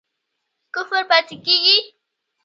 کفر پاتی کیږي؟